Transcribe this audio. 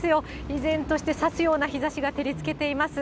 依然として刺すような日ざしが照りつけています。